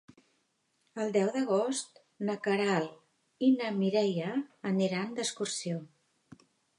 El deu d'agost na Queralt i na Mireia aniran d'excursió.